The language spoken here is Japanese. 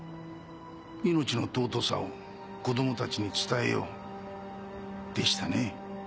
「命の尊さを子どもたちに伝えよう」でしたね。